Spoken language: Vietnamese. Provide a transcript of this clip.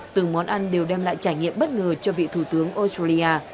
từng món ăn đều đem lại trải nghiệm bất ngờ cho vị thủ tướng australia